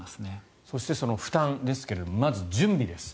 そしてその負担ですがまず準備です。